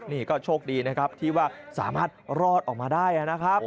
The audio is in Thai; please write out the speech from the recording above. นี่ก็โชคดีนะครับที่ว่าสามารถรอดออกมาได้นะครับ